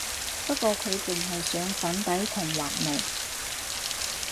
不過佢淨係上粉底同畫眉